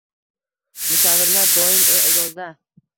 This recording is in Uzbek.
Musavvirlar doim e’zozda